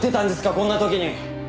こんな時に！